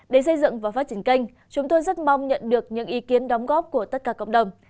để xây dựng và phát triển kênh chúng tôi rất mong nhận được những ý kiến đóng góp của tất cả cộng đồng